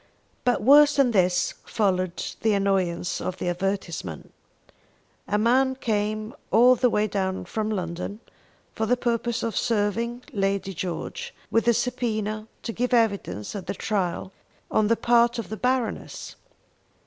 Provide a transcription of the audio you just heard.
But worse than this followed the annoyance of the advertisement. A man came all the way down from London for the purpose of serving Lady George with a subpoena to give evidence at the trial on the part of the Baroness.